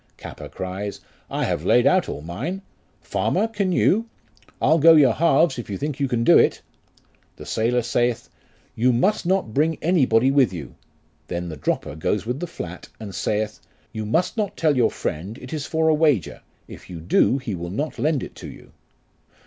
Capper cries, I have laid out all mine ; farmer, can you ? I'll go your halves, if you think you can do it. The sailor saith, You must not bring anybody with you ; then the dropper goes with the flat, and saith, You must not tell your friend it is for a wager, if you do he will not lend it you.